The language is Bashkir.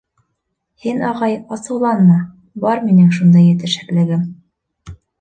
— Һин, ағай, асыуланма, бар минең шундай етешһеҙлегем.